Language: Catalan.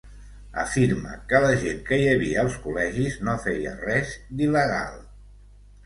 Afirma que la gent que hi havia als col·legis no feia res d’il·legal.